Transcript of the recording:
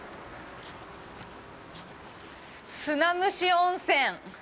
砂むし温泉。